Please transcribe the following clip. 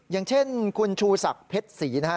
อย่างเช่นคุณชูศักดิ์เพชรศรีนะฮะ